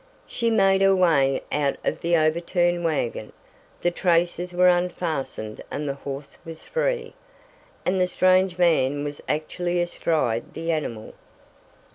She made her way out of the overturned wagon. The traces were unfastened and the horse was free, and the strange man was actually astride the animal.